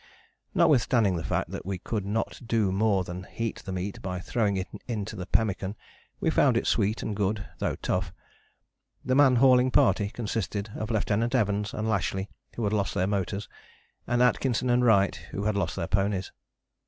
Notwithstanding the fact that we could not do more than heat the meat by throwing it into the pemmican we found it sweet and good, though tough. The man hauling party consisted of Lieut. Evans and Lashly who had lost their motors, and Atkinson and Wright who had lost their ponies.